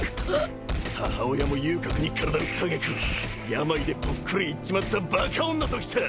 母親も遊郭に体売った揚げ句病でぽっくり逝っちまったバカ女ときた！